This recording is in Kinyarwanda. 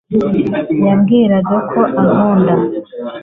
yambwiraga ko ankunda